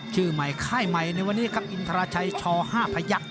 ชื่อใหม่ค่ายใหม่ในวันนี้ครับอินทราชัยช๕พยักษ